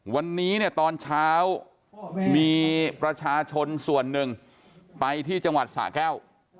วันนี้เนี่ยตอนเช้ามีประชาชนส่วนหนึ่งไปที่จังหวัดสะแก้ว